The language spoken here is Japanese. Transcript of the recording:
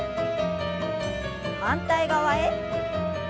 反対側へ。